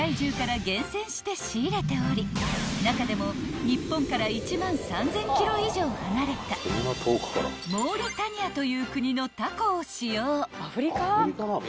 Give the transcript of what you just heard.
［中でも日本から１万３，０００ｋｍ以上離れたモーリタニアという国のタコを使用］